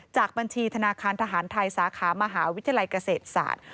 จากบัญชีธนาคารทหารไทยสาขามหาวิทยาลัยเกษตรศาสตร์